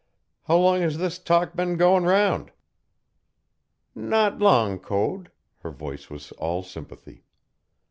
How long has this talk been going round?" "Not long, Code." Her voice was all sympathy.